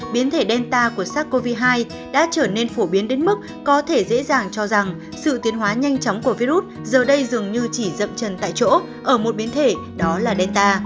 biến thể delta của sars cov hai đã trở nên phổ biến đến mức có thể dễ dàng cho rằng sự tiến hóa nhanh chóng của virus giờ đây dường như chỉ rậm trần tại chỗ ở một biến thể đó là delta